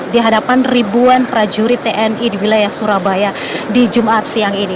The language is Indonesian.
di hadapan ribuan prajurit tni di wilayah surabaya di jumat siang ini